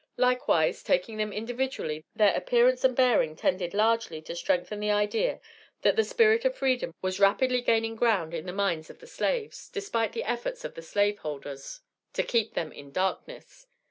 Likewise, taking them individually, their appearance and bearing tended largely to strengthen the idea that the spirit of freedom was rapidly gaining ground in the minds of the slaves, despite the efforts of the slave holders to keep them in darkness.